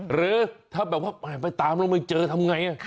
หรือถ้าแบบว่าไปตามแล้วไม่เจอทำไง